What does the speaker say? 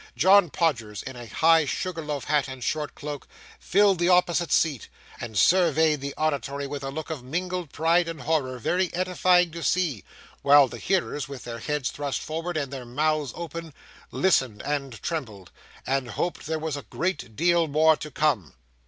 John Podgers, in a high sugar loaf hat and short cloak, filled the opposite seat, and surveyed the auditory with a look of mingled pride and horror very edifying to see; while the hearers, with their heads thrust forward and their mouths open, listened and trembled, and hoped there was a great deal more to come.